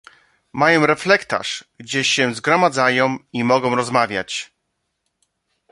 "Mają refektarz, gdzie się zgromadzają i mogą rozmawiać."